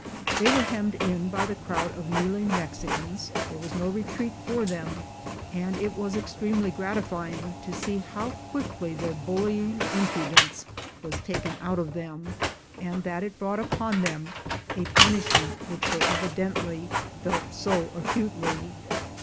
They were hemmed in by the crowd of kneeling Mexicans — there was no retreat for them, and it was extremely gratifying to see how quickly their bullying impudence was taken out of them, and that it brought upon them a punishment which they evidently felt so acutely.